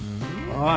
おい！